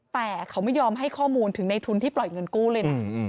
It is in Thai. แต่เขาไม่ยอมให้ข้อมูลถึงในทุนที่ปล่อยเงินกู้เลยนะ